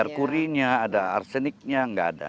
ada merkuri nya ada arseniknya nggak ada